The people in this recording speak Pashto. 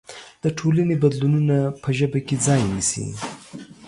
د ټولنې بدلونونه په ژبه کې ځای نيسي.